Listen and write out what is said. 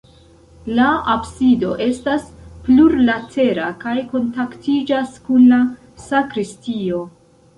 La absido estas plurlatera kaj kontaktiĝas kun la sakristio.